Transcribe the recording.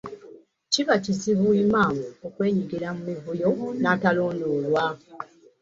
Kiba kizibu Imaam okwenyigira mu mivuyo n'atalondoolwa